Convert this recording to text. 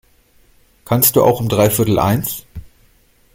Kannst du auch um dreiviertel eins?